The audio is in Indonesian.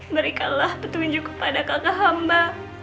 berikanlah petunjuk kepada kakak hamba